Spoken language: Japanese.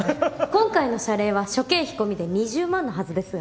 今回の謝礼は諸経費込みで２０万のはずですが。